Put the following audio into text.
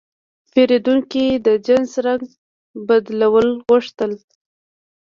پیرودونکی د جنس رنګ بدلول غوښتل.